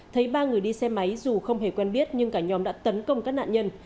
thấy ba người đi xe máy dù không hề quen biết nhưng cả nhóm đã tấn công các nạn nhân